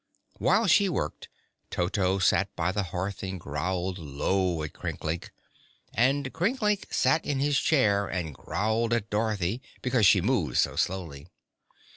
While she worked, Toto sat by the hearth and growled low at Crinklink, and Crinklink sat in his chair and growled at Dorothy because she moved so slowly.